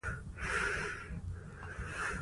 ښارونه د افغانستان د طبیعي پدیدو یو رنګ دی.